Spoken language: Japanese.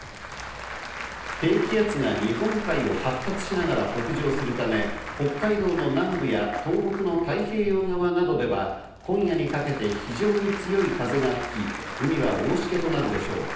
低気圧が日本海を発達しながら北上するため、北海道の南部や、東北の太平洋側などでは、今夜にかけて非常に強い風が吹き、海は大しけとなるでしょう。